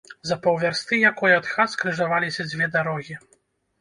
За паўвярсты якой ад хат скрыжаваліся дзве дарогі.